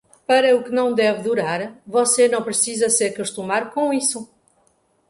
Para o que não deve durar, você não precisa se acostumar com isso.